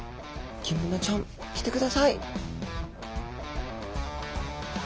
ギンブナちゃん来てください。